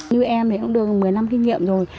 như em thì cũng được một mươi năm kinh nghiệm rồi